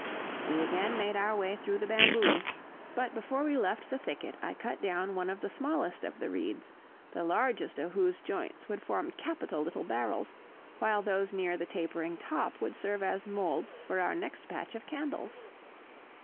We again made our way through the bamboos, but before we left the thicket I cut down one of the smallest of the reeds, the largest of whose joints would form capital little barrels, while those near the tapering top would serve as molds for our next batch of candles.